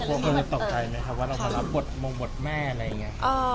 เคยตกใจไหมครับว่าเรามารับบทมงบทแม่อะไรอย่างนี้